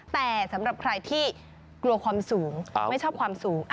แต่สำหรับใครที่กลัวความสูงไม่ชอบความสูง